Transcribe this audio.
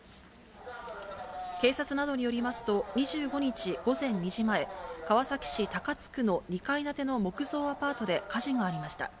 警察などによりますと、２５日午前２時前、川崎市高津区の２階建ての木造アパートで火事がありました。